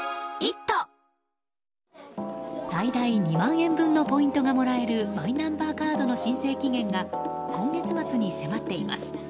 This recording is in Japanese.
最大２万円分のポイントがもらえるマイナンバーカードの申請期限が今月末に迫っています。